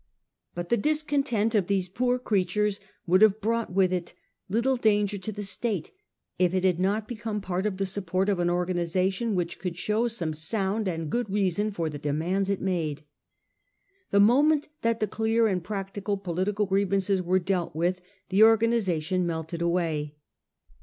But the discon tent of these poor creatures would have brought with it little danger to the State if it had not become part of the support of an organisation which could show some sound and good reason for the demands it made. The moment that the clear and practical political grievances were dealt with the organisation melted away.